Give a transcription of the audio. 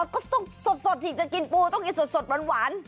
ก็ต้องสดที่จะกินปูต้องกินสดหวาน